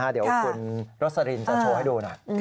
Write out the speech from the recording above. เดี๋ยวคุณโรสลินจะโชว์ให้ดูหน่อย